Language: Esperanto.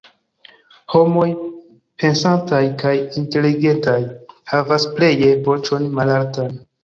Homoj pensantaj kaj inteligentaj havas pleje voĉon malaltan.